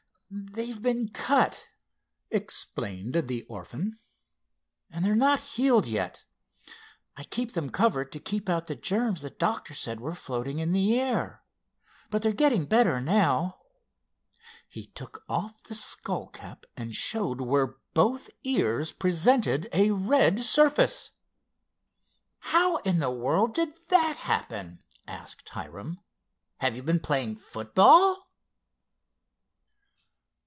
"They've been cut," explained the orphan. "And they're not healed yet. I keep them covered up to keep out the germs the doctor said were floating in the air. But they're getting better now." He took off the skull cap and showed where both ears presented a red surface. "How in the world did that happen?" asked Hiram. "Have you been playing football?"